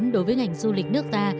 đối với ngành du lịch nước ta